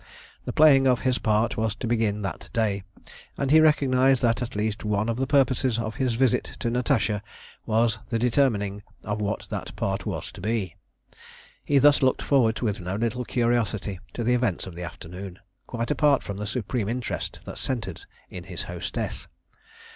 The playing of his part was to begin that day, and he recognised that at least one of the purposes of his visit to Natasha was the determining of what that part was to be. He thus looked forward with no little curiosity to the events of the afternoon, quite apart from the supreme interest that centred in his hostess.